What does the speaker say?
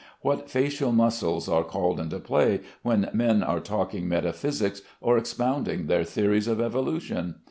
What facial muscles are called into play when men are talking metaphysics or expounding their theories of evolution?